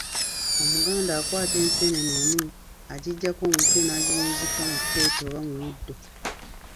Omuganda akwata enseenene emu agiggyako omutwe n'agiwunzika mu tteete oba mu muddo.